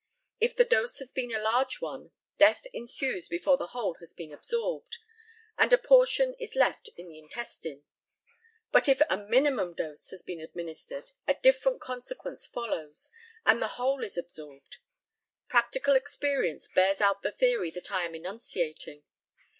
If the dose has been a large one death ensues before the whole has been absorbed, and a portion is left in the intestines; but if a minimum dose has been administered a different consequence follows, and the whole is absorbed. Practical experience bears out the theory that I am enunciating.